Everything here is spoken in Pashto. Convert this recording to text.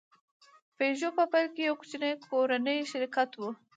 پيژو په پیل کې یو کوچنی کورنی شرکت و.